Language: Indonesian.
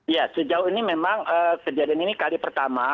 ya sejauh ini memang kejadian ini kali pertama